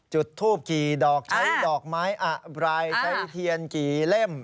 จุดทูบกี่ดอกใช้ดอกไม้อะไรใช้เทียนกี่เล่ม